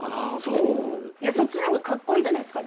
そっちの方がカッコイイじゃないですか。